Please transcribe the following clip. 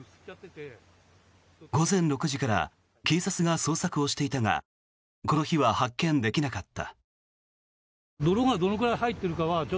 午前６時から警察が捜索をしていたがこの日は発見できなかった。